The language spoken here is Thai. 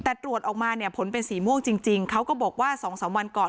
แต่ตรวจออกมาเนี่ยผลเป็นสีม่วงจริงเขาก็บอกว่า๒๓วันก่อน